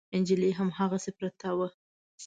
نجلۍ هماغسې پرته وه.